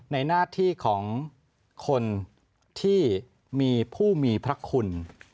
ในหน้าที่ของคนที่มีผู้มีพระคุณ